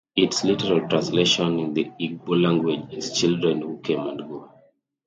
Its literal translation in the Igbo language is "children who come and go".